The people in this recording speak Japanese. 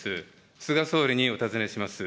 菅総理にお尋ねします。